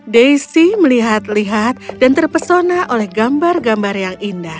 daisy melihat lihat dan terpesona oleh gambar gambar yang indah